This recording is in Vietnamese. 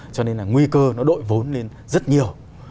cho nên là nguy cơ nó đội vốn lên rất nhiều